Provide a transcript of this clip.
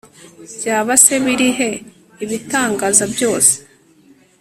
byaba se biri he, ibitangaza byose